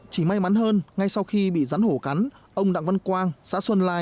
chỉ may mắn hơn ngay sau khi bị rắn hổ cắn ông đặng văn quang xã xuân lai